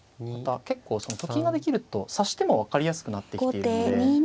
また結構と金ができると指し手も分かりやすくなってきているので。